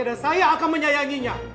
dan saya akan menyayanginya